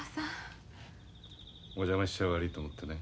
お邪魔しちゃ悪いと思ってね。